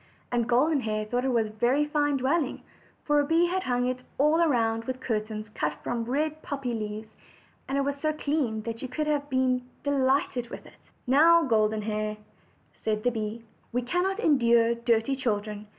And Golden Hair thought it was a very fine dwelling, for the bee had hung it all round with cur tains cut from red poppy leaves; and it was so clean that you would have been delighted with it. "Now, Golden Hair," said the bee, "we cannot endure dirty children.